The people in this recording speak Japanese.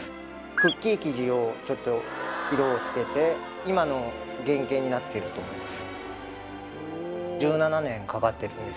クッキー生地をちょっと色をつけて今の原型になっていると思います